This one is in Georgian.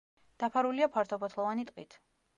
დაფარულია ფართოფოთლოვანი ტყით.